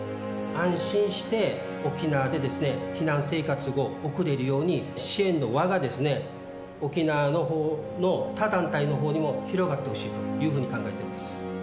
安心して沖縄で避難生活を送れるように、支援の輪が沖縄のほうの他団体のほうにも広がってほしいというふうに考えております。